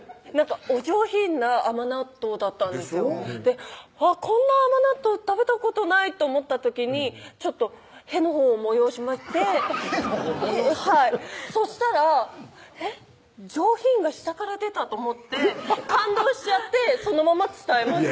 お上品な甘納豆だったんですよあっこんな甘納豆食べたことないと思った時にちょっと屁のほうを催しましてそしたら上品が下から出たと思って感動しちゃってそのまま伝えました